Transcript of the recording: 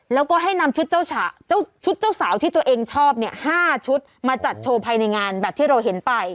แล้วก็ให้นำชุดเจ้าชุดเจ้าสาวที่ตัวเองชอบเนี่ย๕ชุดมาจัดโชว์ภายในงานแบบที่เราเห็นไป